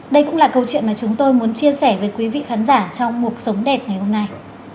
đây cũng là câu chuyện mà chúng tôi muốn chia sẻ với quý vị khán giả trong cuộc sống đẹp ngày hôm nay